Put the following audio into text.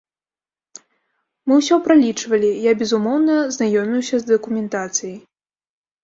Мы ўсё пралічвалі, я, безумоўна, знаёміўся з дакументацыяй.